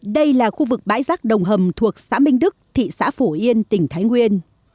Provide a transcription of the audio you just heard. đây là khu vực bãi rác đồng hầm thuộc xã minh đức thị xã phổ yên tỉnh thái nguyên